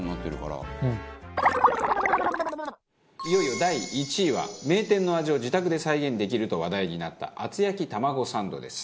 いよいよ第１位は名店の味を自宅で再現できると話題になった厚焼き玉子サンドです。